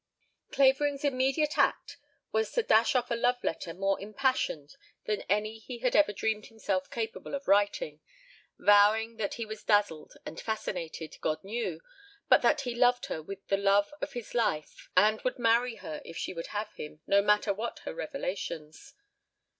Clavering's immediate act was to dash off a love letter more impassioned than any he had ever dreamed himself capable of writing, vowing that he was dazzled and fascinated, God knew, but that he loved her with the love of his life and would marry her if she would have him, no matter what her revelations.